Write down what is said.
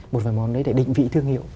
một vài món đấy để định vị thương hiệu